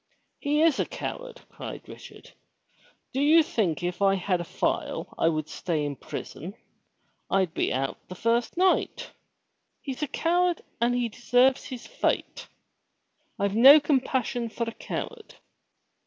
"He is a coward," cried Richard. "Do you think if I had a file, I would stay in prison? I'd be out the first night. He's a coward and deserves his fate. I've no compassion for a coward."